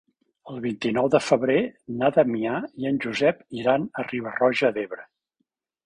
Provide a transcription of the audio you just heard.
El vint-i-nou de febrer na Damià i en Josep iran a Riba-roja d'Ebre.